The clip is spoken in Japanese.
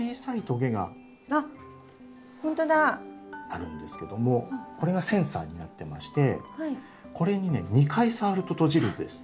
あるんですけどもこれがセンサーになってましてこれにね２回触ると閉じるんです。